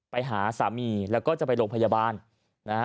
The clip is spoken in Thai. ไปหาสามีแล้วก็จะไปโรงพยาบาลนะฮะ